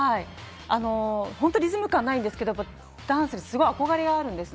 本当リズム感ないんですけど、ダンスにすごい憧れがあるんです。